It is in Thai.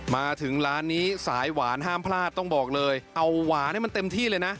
มาถึงร้านนี้สายหวานห้ามพลาดต้องบอกเลยเอาหวานให้มันเต็มที่เลยนะ